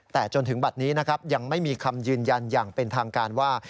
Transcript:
แต่จนถึงบัตรนี้นะครับยังไม่มีคำยืนยันอย่างเป็นทางการว่า